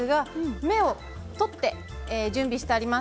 芽を取って準備してあります。